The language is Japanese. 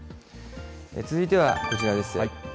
続いてはこちらです。